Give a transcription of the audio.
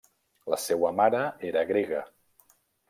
La seua mare era grega.